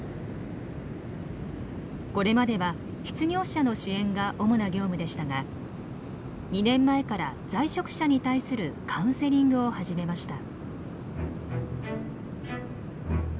これまでは失業者の支援が主な業務でしたが２年前から在職者に対するカウンセリングを始めました。